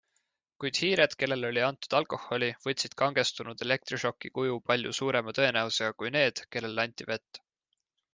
Kuid hiired, kellele oli antud alkoholi, võtsid kangestunud elektrišoki kuju palju suurema tõenäosusega kui need, kellele anti vett.